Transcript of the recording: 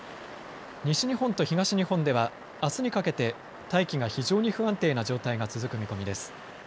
西日本と東日本ではあすにかけて大気が非常に不安定な状態が続く見込みです。